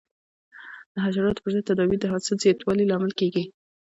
د حشراتو پر ضد تدابیر د حاصل زیاتوالي لامل کېږي.